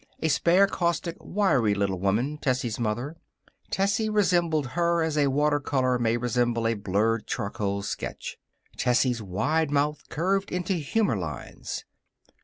A spare, caustic, wiry little woman, Tessie's mother. Tessie resembled her as a water color may resemble a blurred charcoal sketch. Tessie's wide mouth curved into humor lines.